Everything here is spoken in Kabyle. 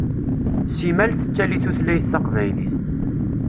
Simmal tettali tutlayt taqbaylit.